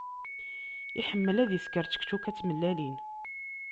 Iḥemmel ad isker čekčuka d tmellalin.